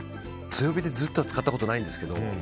強火でずっと使ったことないんですけど。